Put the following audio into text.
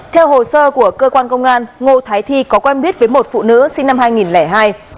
theo hồ sơ của cơ quan công an ngô thái thi có quen biết với một phụ nữ sinh năm hai nghìn hai